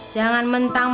jangan ada nggak ada tuh